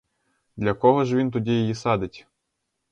Для кого ж він тоді її садить?